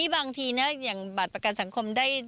บางทีเนี่ยบาทประกันสังคมได้